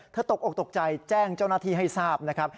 ตกออกตกใจแจ้งเจ้าหน้าที่ให้ทราบนะครับ